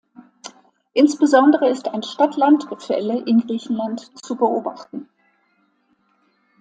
Insbesondere ist ein Stadt-Land-Gefälle in Griechenland zu beobachten.